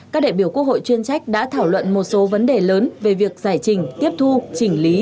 các đại biểu quốc hội chuyên trách đã thảo luận một số vấn đề lớn về việc giải trình tiếp thu chỉnh lý